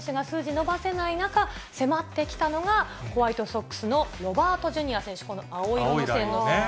伸ばせない中、迫ってきたのが、ホワイトソックスのロバートＪｒ．選手、この青色の線の選手。